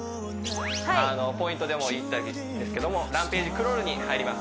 あのポイントでも言ったんですけどもランペイジクロールに入ります